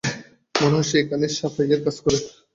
মনে হয় সে এখানে সাফাই এর কাজ করে।